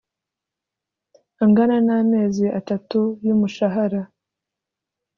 Angana n amezi atatu y umushahara